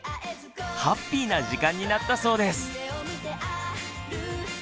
ハッピーな時間になったそうです。